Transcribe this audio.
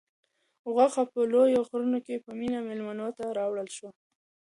غوښه په لویو غوریو کې په مینه مېلمنو ته راوړل شوه.